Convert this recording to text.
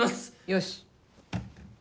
よし。